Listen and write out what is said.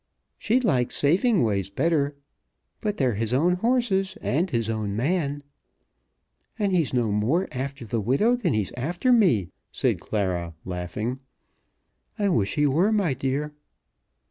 She'd like saving ways better. But they're his own horses, and his own man, and he's no more after the widow than he's after me," said Clara, laughing. "I wish he were, my dear."